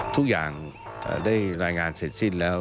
ทุกอย่างได้รายงานเสร็จสิ้นแล้ว